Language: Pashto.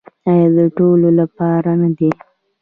آیا د ټولو لپاره نه دی؟